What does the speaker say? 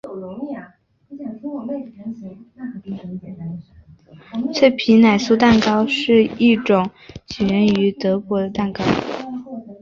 脆皮奶酥蛋糕是一种起源于德国的蛋糕。